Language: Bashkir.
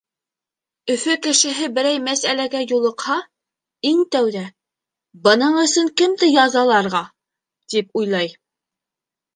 Өфө кешеһе, берәй мәсьәләгә юлыҡһа, иң тәүҙә «Бының өсөн кемде язаларға?» тип уйлай.